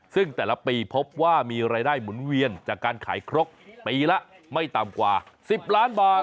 ซึ่งแต่ละปีพบว่ามีรายได้หมุนเวียนจากการขายครกปีละไม่ต่ำกว่า๑๐ล้านบาท